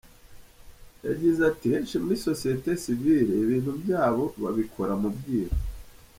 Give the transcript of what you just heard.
Yagize ati “Henshi muri sosiyete sivile ibintu byabo babikora mu bwiru.